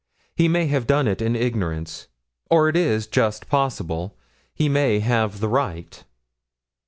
He may have done it in ignorance; or, it is just possible, he may have the right.'